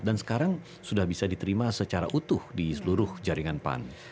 dan sekarang sudah bisa diterima secara utuh di seluruh jaringan pan